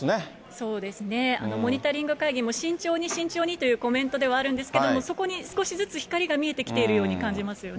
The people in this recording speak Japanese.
そうですね、モニタリング会議も、慎重に、慎重にというコメントではあるんですけど、そこに少しずつ光が見えてきているように感じますよね。